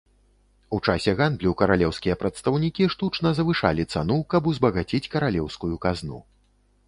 У часе гандлю каралеўскія прадстаўнікі штучна завышалі цану, каб узбагаціць каралеўскую казну.